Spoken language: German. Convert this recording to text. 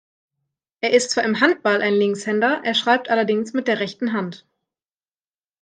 Er ist zwar im Handball ein Linkshänder, er schreibt allerdings mit der rechten Hand.